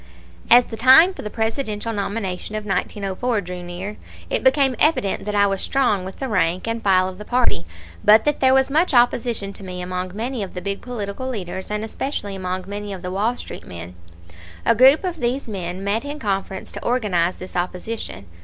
As the time for the Presidential nomination of 1904 drew near, it became evident that I was strong with the rank and file of the party, but that there was much opposition to me among many of the big political leaders, and especially among many of the Wall Street men. A group of these men met in conference to organize this opposition.